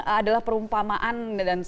adalah perumpamaan dan